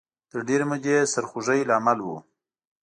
تر ډېرې مودې سرخوږۍ لامل و